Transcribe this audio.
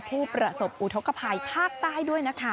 ผู้ประสบอุทธกภัยภาคใต้ด้วยนะคะ